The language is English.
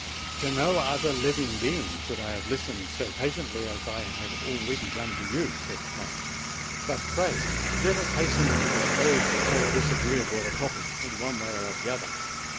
"To no other living being should I have listened so patiently as I have already done to you," said Clarence. "But pray let us hasten to dispose of so disagreeable a topic in one way or the other."